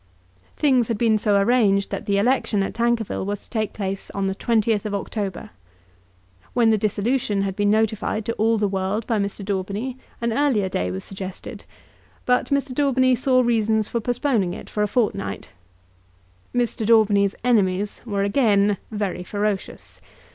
Things had been so arranged that the election at Tankerville was to take place on the 20th of October. When the dissolution had been notified to all the world by Mr. Daubeny an earlier day was suggested; but Mr. Daubeny saw reasons for postponing it for a fortnight. Mr. Daubeny's enemies were again very ferocious.